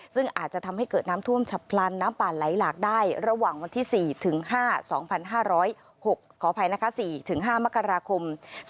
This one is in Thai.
ซึ่งอาจจะทำให้เกิดน้ำท่วมฉับพลันน้ำป่านไหลหลากได้ระหว่างวันที่๔๕มกราคม๒๕๖๒